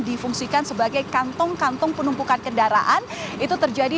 difungsikan sebagai kantong kantong penumpukan kendaraan itu terjadi